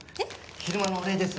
昼間のお礼です。